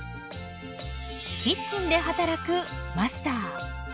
キッチンで働くマスター。